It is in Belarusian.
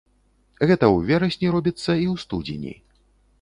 Гэта ў верасні робіцца і ў студзені.